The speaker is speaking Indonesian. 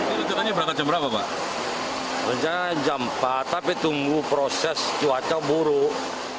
itu tadi berangkat jam berapa pak rencana jam empat tapi tunggu proses cuaca buruk